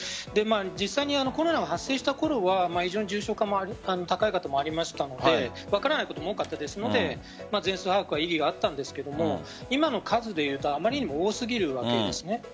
実際にコロナが発生したころは非常に重症化も高い方もありましたので分からないことも多かったですので全数把握は意義があったんですが今の数でいうとあまりにも多すぎるわけです。